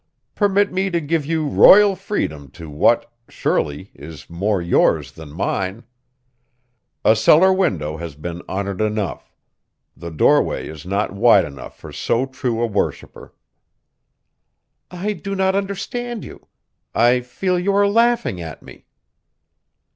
"Permit me to give you royal freedom to what, surely, is more yours than mine. A cellar window has been honored enough; the doorway is not wide enough for so true a worshipper." "I do not understand you! I fear you are laughing at me."